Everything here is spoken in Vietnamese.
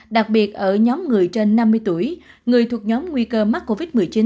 đặc biệt ở nhóm người trên năm mươi tuổi người thuộc nhóm nguy cơ mắc covid một mươi chín